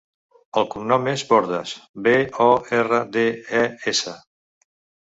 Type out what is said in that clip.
El cognom és Bordes: be, o, erra, de, e, essa.